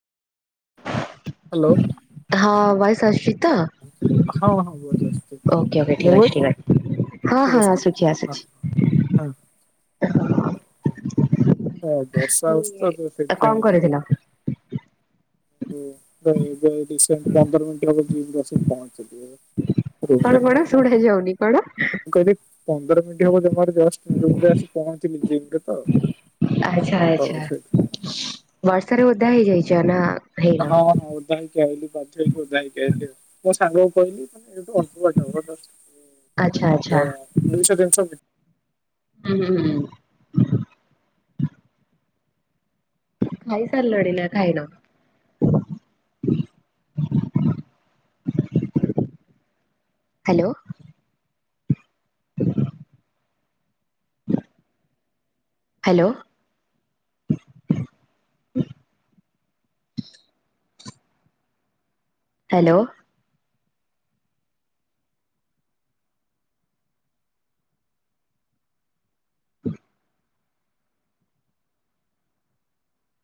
Hello. ହଁ voice ଆସୁଛି ତ ହଁ ହଁ ଭଏସ ଆସୁଛି ଓକେ ଓକେ ମୋ ଠିକ୍ ଅଛି ଭଏସ ଠିକ୍ ଅଛି। ହଁ ଠିକ ହଁ ଅଛି ତ? ଆସୁଛି ହଁ ଆସୁଛି ହଁ ହଁ। ହ ବର୍ଷା ହେଉଛି ତ କଣ ସେଇଥିପାଇଁ କରିଥିଲ? ଓ ଏବେ ସେ ଡିସେମ୍ ପନ୍ଦର ମିନିଟ ହେବ ଡିଉଟି ଆସି ପହଞ୍ଚିଲି। ରୁମରେ କଣ କଣ ଶୁଣା ଯାଉନି କଣ? ମୁଁ କହିଲି ପନ୍ଦର ମିନିଟ୍ ହବ ଜମା ରୁ ଜଷ୍ଟ ରୁମରେ ଆସି ପହଞ୍ଚିଲି ଜିମ୍ ରେ ତ। ଆଛା ତ ଆଚ୍ଛା। ସେଥିପାଇଁ ବର୍ଷାରେ ଓଦା ହେଇଯାଇଚନା ହଁ ହଁ ଓଦା ହେଇକି ଆଇଲି ବାଧ୍ୟ୍ୟ ହେଇକି ଓଦା ଆଇଲି ଆଉ। ମୋ ସାଙ୍ଗକୁ କହିଲି ମାନେ ସେଇଠୁ ଅଳ୍ପ ବାଟ ହେବ ଜଷ୍ଟ୍ ଆଚ୍ଛା ଆଚ୍ଛା। ଦୁଇଶହ [unintelligible] ହୁଁ ହୁଁ। ଖାଇ ସାରିଲଣି ନା ଖାଇନ? ହାଲୋ। [inaudible] ହାଲୋ। ହାଲୋ।